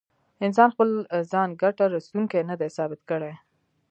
انسان خپل ځان ګټه رسوونکی نه دی ثابت کړی.